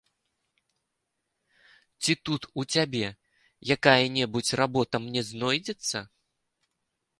Ці тут у цябе якая-небудзь работа мне знойдзецца?